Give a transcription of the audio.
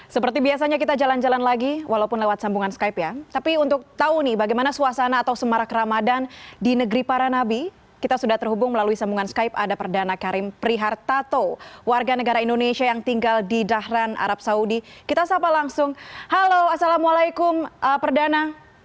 seperti biasanya kita jalan jalan lagi walaupun lewat sambungan skype ya tapi untuk tahu nih bagaimana suasana atau semarak ramadan di negeri para nabi kita sudah terhubung melalui sambungan skype ada perdana karim prihartato warga negara indonesia yang tinggal di dahran arab saudi kita sapa langsung halo assalamualaikum perdana